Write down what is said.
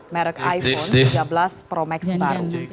merek iphone tiga belas pro max baru